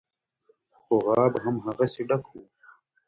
خو غاب هماغسې ډک و.